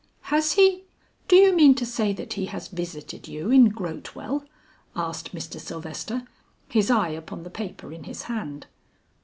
"Has he do you mean to say that he has visited you in Grotewell?" asked Mr. Sylvester, his eye upon the paper in his hand.